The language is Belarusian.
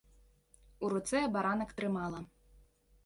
У руцэ абаранак трымала.